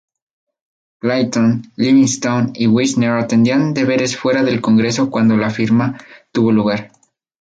Clinton, Livingston, y Wisner atendían deberes fuera del Congreso cuando la firma tuvo lugar.